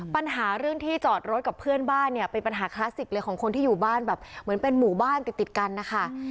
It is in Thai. ปัญหาเรื่องที่จอดรถกับเพื่อนบ้านเนี่ยเป็นปัญหาคลาสสิกเลยของคนที่อยู่บ้านแบบเหมือนเป็นหมู่บ้านติดติดกันนะคะ